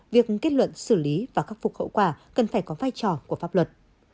việc kết luận xử lý và khắc phục hậu quả cần phải có vai trò của pháp luật